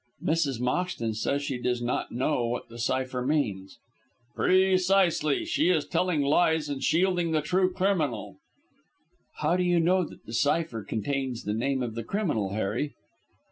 "Mrs. Moxton says she does not know what the cypher means." "Precisely. She is telling lies and shielding the true criminal." "How do you know that the cypher contains the name of the criminal, Harry?"